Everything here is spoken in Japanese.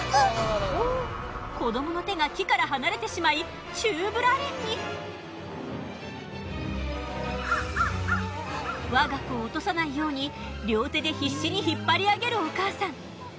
子どもの手が木から離れてしまいわが子を落とさないように両手で必死に引っ張り上げるお母さん。